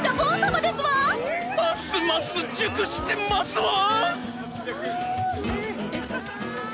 ますます熟してますわ！